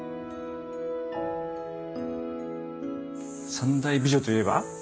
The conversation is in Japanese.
三大美女といえば？